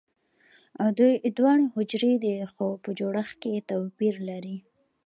دوی دواړه حجرې دي خو په جوړښت کې توپیر لري